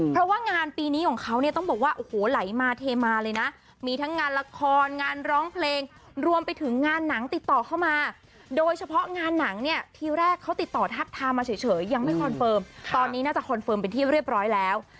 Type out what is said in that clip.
เพราะว่างานปีนี้ของเขาเนี่ยต้องบอกว่าโอ้โหไหลมาเทมาเลยนะมีทั้งงานละครงานร้องเพลงรวมไปถึงงานหนังติดต่อเข้ามาโดยเฉพาะงานหนังเนี่ยทีแรกเขาติดต่อทักทามาเฉยยังไม่คอนเฟิร์มตอนนี้น่าจะคอนเฟิร์มเป็นที่เรียบร้อยแล้ว